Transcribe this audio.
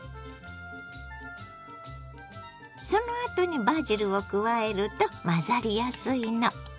そのあとにバジルを加えると混ざりやすいの。